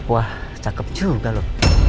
wah cakep juga lo